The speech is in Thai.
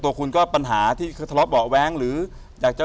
ตัวคุณก็ปัญหาที่คือทะบบอกแว้งรืออยากจะ